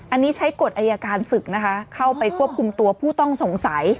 อันนี้ใช้กฎอายการศึกนะคะเข้าไปควบคุมตัวผู้ต้องสงสัย